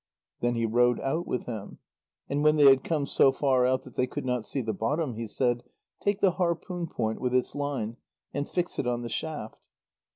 Then he rowed out with him, and when they had come so far out that they could not see the bottom, he said: "Take the harpoon point with its line, and fix it on the shaft."